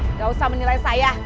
nggak usah menilai saya